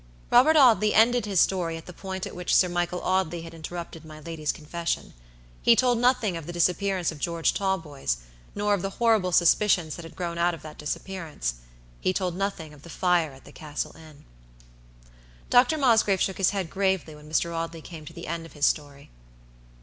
Robert Audley ended his story at the point at which Sir Michael Audley had interrupted my lady's confession. He told nothing of the disappearance of George Talboys, nor of the horrible suspicions that had grown out of that disappearance. He told nothing of the fire at the Castle Inn. Dr. Mosgrave shook his head, gravely, when Mr. Audley came to the end of his story.